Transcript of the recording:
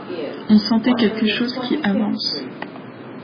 On sentait quelque chose qui avance.